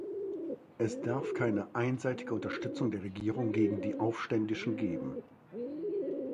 Es darf keine einseitige Unterstützung der Regierung gegen die Aufständischen geben.